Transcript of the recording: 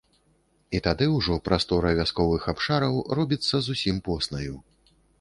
І тады ўжо прастора вясковых абшараў робіцца зусім поснаю.